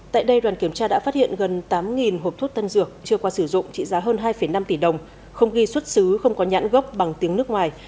tại đây đoàn kiểm tra đã phát hiện gần tám hộp thuốc tân dược chưa qua sử dụng trị giá hơn hai năm tỷ đồng không ghi xuất xứ không có nhãn gốc bằng tiếng nước ngoài